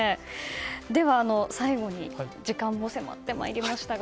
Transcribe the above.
では、最後に時間も迫ってまいりましたが。